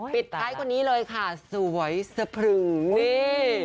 ปิดไตล์กว่านี้เลยค่ะสวยสะพรึงนี่